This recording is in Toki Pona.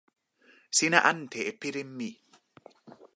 sina ante e pilin mi.